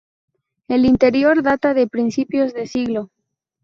El interior data de principios de siglo.